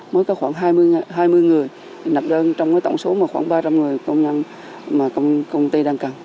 mới có khoảng hai mươi người nạp đơn trong tổng số khoảng ba trăm linh người công nhân mà công ty đang cần